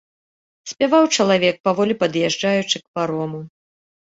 Спяваў чалавек, паволі пад'язджаючы к парому.